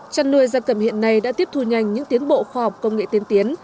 chăn nuôi gia cầm hiện nay đã tiếp thu nhanh những tiến bộ khoa học công nghệ tiên tiến